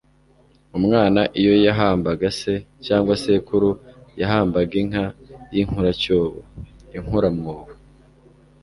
Umwana iyo yahambaga se cyangwa sekuru yahabwaga inka y'inkuracyobo(inkuramwobo